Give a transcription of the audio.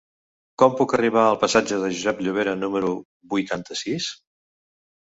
Com puc arribar al passatge de Josep Llovera número vuitanta-sis?